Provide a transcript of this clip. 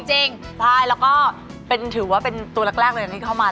จริงใช่แล้วก็ถือว่าเป็นตัวแรกเลยที่เข้ามา